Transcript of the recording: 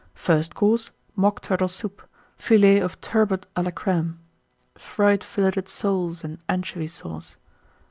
FIRST COURSE. Mock Turtle Soup. Fillets of Turbot a la Crême. Fried Filleted Soles and Anchovy Sauce.